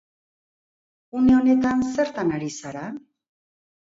Une honetan, zertan ari zara?